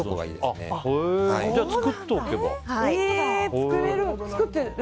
じゃあ作っておけばいいんだ。